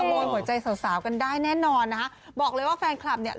โมยหัวใจสาวสาวกันได้แน่นอนนะคะบอกเลยว่าแฟนคลับเนี่ย